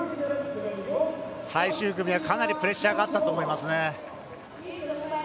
最終組は、かなりプレッシャーがあったと思います。